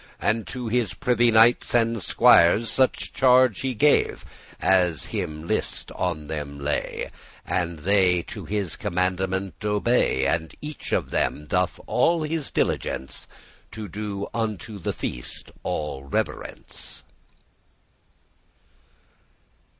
* *provide And to his privy knightes and squiers Such charge he gave, as him list on them lay: And they to his commandement obey, And each of them doth all his diligence To do unto the feast all reverence.